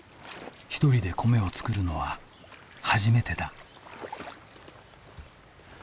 ひとりで米を作るのは初めてだ。